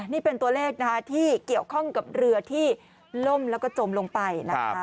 นี่เป็นตัวเลขนะคะที่เกี่ยวข้องกับเรือที่ล่มแล้วก็จมลงไปนะคะ